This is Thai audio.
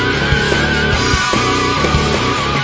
ดีดีดี